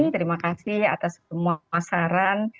terima kasih atas semua pasaran